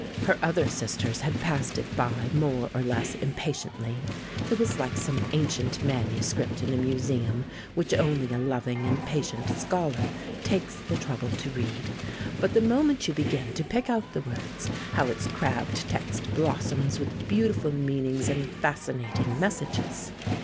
Her other sisters had passed it by more or less impatiently. It was like some ancient manuscript in a museum, which only a loving and patient scholar takes the trouble to read. But the moment you begin to pick out the words, how its crabbed text blossoms with beautiful meanings and fascinating messages!